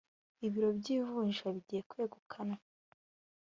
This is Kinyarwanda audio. ibiro by ivunjisha bigiye kwegukanwa